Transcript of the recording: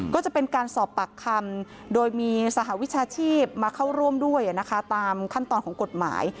ก็จะเป็นการสอบปากคำโดยมีสหวิชาชีพมาเข้าร่วมด้วยตามขั้นตอนของกฎหมาย